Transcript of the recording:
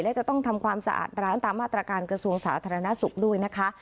และจะต้องทำความสะอาดร้านตามมาตรการกระทรวงสาธารณสุขด้วยนะคะ